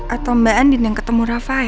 atau mbak andin yang ketemu rafael